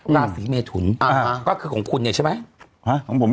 ราศีเมทุนก็คือของคุณเนี่ยใช่ไหม